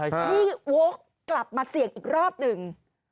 นี่โว๊คกลับมาเสี่ยงอีกรอบหนึ่ง